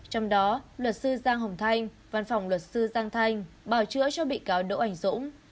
trong đó luật sư giang hồng thanh văn phòng luật sư giang thanh bảo chữa cho bị cáo đỗ ảnh dũng